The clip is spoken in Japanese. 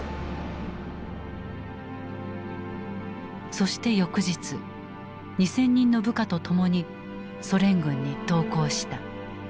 そして翌日２，０００人の部下とともにソ連軍に投降した。